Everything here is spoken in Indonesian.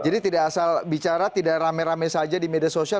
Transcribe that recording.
jadi tidak asal bicara tidak rame rame saja di media sosial